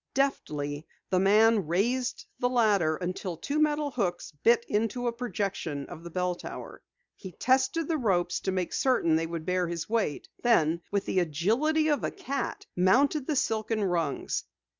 Deftly the man raised the ladder until two metal hooks bit into a projection of the bell tower. He tested the ropes to make certain they would bear his weight then, with the agility of a cat, mounted the silken rungs.